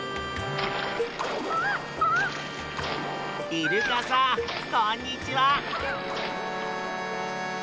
イルカさんこんにちは。